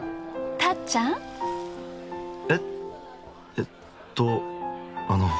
えっとあの。